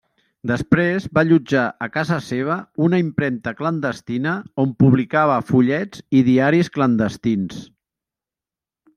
Després va allotjar a casa seva una impremta clandestina, on publicava fullets i diaris clandestins.